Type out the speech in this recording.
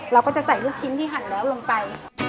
เราก็จะใส่ลูกชิ้นที่หั่นแล้วลงไป